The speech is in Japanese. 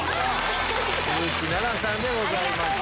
鈴木奈々さんでございました。